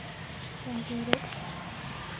まぐろ